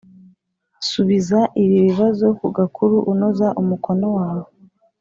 Subiza ibi bibazo ku gakuru unoza umukono wawe